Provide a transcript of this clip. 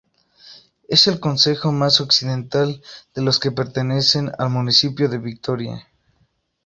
Es el concejo más occidental de los que pertenecen al municipio de Vitoria.